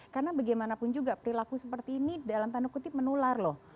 karena bagaimanapun juga perilaku seperti ini dalam tanda kutip menular loh